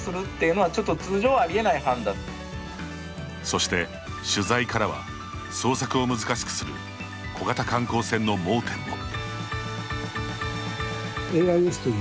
そして、取材からは捜索を難しくする小型観光船の盲点も。